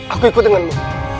aku ikut denganmu